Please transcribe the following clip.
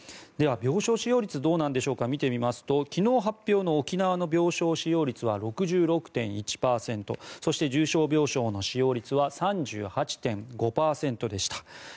では、病床使用率はどうなんでしょうか見てみますと昨日発表の沖縄の病床使用率は６６．１％そして、重症病床の使用率は３８．５％でした。